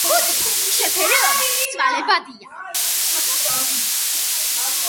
ქუდის შეფერილობა ცვალებადია.